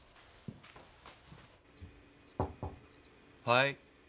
はい。